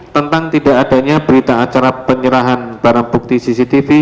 tentang tidak adanya berita acara penyerahan barang bukti cctv